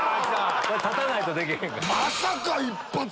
立たないとでけへんから。